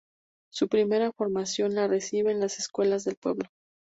Su primera formación la recibe en las escuelas del pueblo.